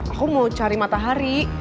aku mau cari matahari